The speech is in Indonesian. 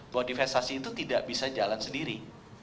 bahwa divestasi itu tidak bisa jalan sendiri